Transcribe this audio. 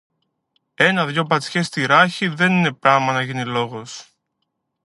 Ένα δυο μπατσιές στη ράχη δεν είναι πράμα να γίνει λόγος